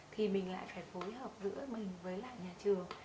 thì mình lại phải phối hợp giữa mình với lại nhà trường